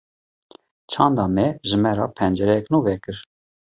Çanda me, ji me re pencereyek nû vekir